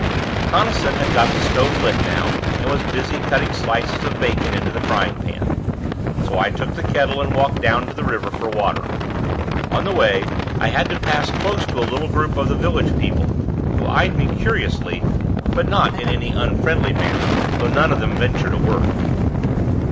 Tonnison had got the stove lit now and was busy cutting slices of bacon into the frying pan; so I took the kettle and walked down to the river for water. On the way, I had to pass close to a little group of the village people, who eyed me curiously, but not in any unfriendly manner, though none of them ventured a word.